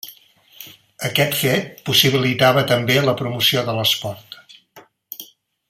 Aquest fet possibilitava també la promoció de l’esport.